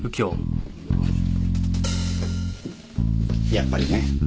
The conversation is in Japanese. やっぱりね。